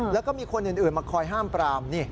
แล้วก็มีคนอื่นมาคอยห้ามปราม